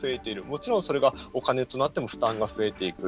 もちろんそれがお金となっても負担が増えていく。